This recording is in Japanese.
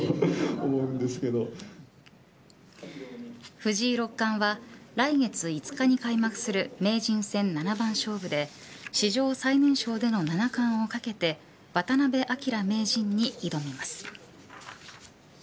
藤井六冠は来月５日に開幕する名人戦七番勝負で史上最年少での七冠をかけて渡辺明名人に挑みます。